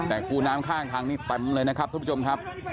แต่คูน้ำข้างทางนี้เต็มเลยนะครับทุกผู้ชมครับ